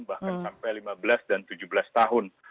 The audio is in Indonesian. bahkan sampai lima belas dan tujuh belas tahun